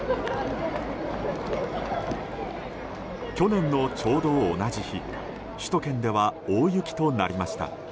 去年のちょうど同じ日首都圏では大雪となりました。